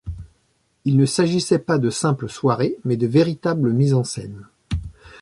Il ne s'agissait pas de simples soirées, mais de véritables mises en scène.